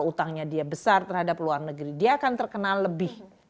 kalau utangnya besar terhadap luar negeri dia akan terkena lebih